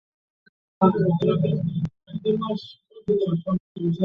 মামলার বাদী বলছেন, আসামি গ্রামে ঘুরে বেড়ালেও পুলিশ তাঁকে ধরছে না।